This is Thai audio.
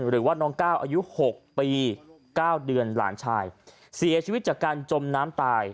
หรือว่าน้องก้าวอายุ๖ปี๙เดือนหลานชายเสียชีวิตจากการจมน้ำตาย